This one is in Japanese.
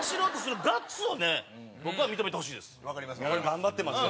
頑張ってますよ。